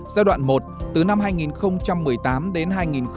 giai đoạn một từ năm hai nghìn một mươi tám đến hai nghìn hai mươi